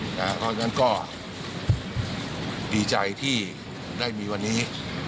เพราะฉะนั้นก็ดีใจที่ได้มีวันนี้